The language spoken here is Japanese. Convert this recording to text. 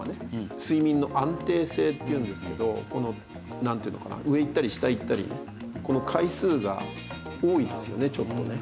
睡眠の安定性っていうんですけどこのなんていうのかな上いったり下いったりねこの回数が多いですよねちょっとね。